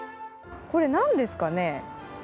これなんですかね